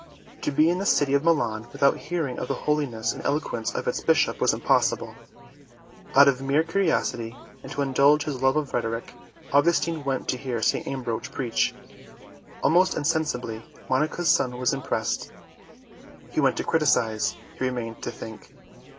To be in the city of Milan without hearing of the holiness and eloquence of its Bishop was impossible. Out of mere curiosity, and to indulge his love of rhetoric, Augustine went to hear St. Ambrose preach. Almost insensibly, Monica's son was impressed. He went to criticize, he remained to think.